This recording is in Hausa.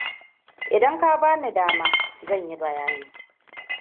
Idan ka bani dama zan yi bayani.